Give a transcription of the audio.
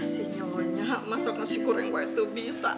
sinyalnya masuk nasi goreng buat tuh bisa